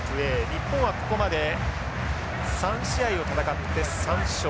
日本はここまで３試合を戦って３勝。